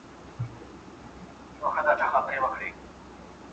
غړي د هېواد د پرمختګ لاري چاري لټوي.